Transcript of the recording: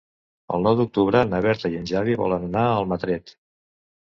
El nou d'octubre na Berta i en Xavi volen anar a Almatret.